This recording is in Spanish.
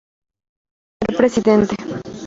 Primer Presidente.